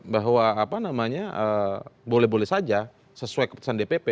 bahwa apa namanya boleh boleh saja sesuai keputusan dpp